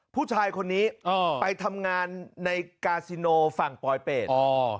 ผู้ชายคนนี้ไปทำงานในกาซิโนฝั่งปลอยเป็ด